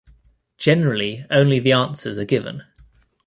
Generally, only the answers are given.